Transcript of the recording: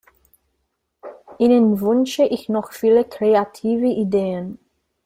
Ihnen wünsche ich noch viele kreative Ideen!